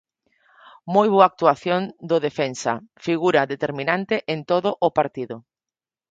Moi boa actuación do defensa, figura determinante en todo o partido.